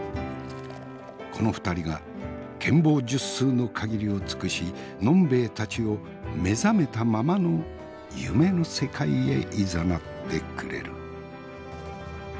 この２人が権謀術数の限りを尽くし呑兵衛たちを目覚めたままの夢の世界へいざなってくれる。